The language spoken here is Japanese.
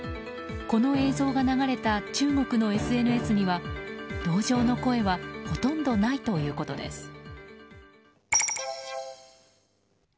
この映像が流れた中国のＳＮＳには同情の声はほとんどないということです。